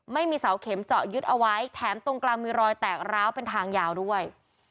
ไม่มีเสาเข็มเจาะยึดเอาไว้แถมตรงกลางมีรอยแตกร้าวเป็นทางยาวด้วย